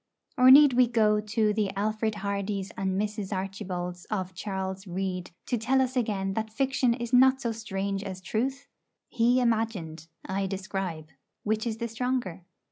Or need we go to the Alfred Hardys and Mrs. Archbolds of Charles Reade to tell us again that fiction is not so strange as truth? He imagined; I describe. Which is the stronger?